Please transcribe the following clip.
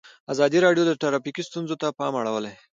ازادي راډیو د ټرافیکي ستونزې ته پام اړولی.